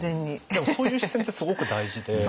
でもそういう視点ってすごく大事で。